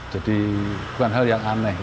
jadi bukan hal yang aneh